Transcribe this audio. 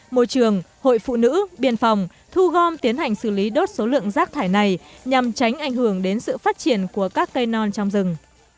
môi trường hội phụ nữ biên phòng thu gom tiến hành xử lý đốt số lượng rác thải này nhằm tránh ảnh hưởng đến sự phát triển của các cây non trong rừng